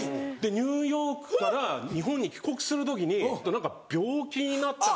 ニューヨークから日本に帰国する時に病気になった方が。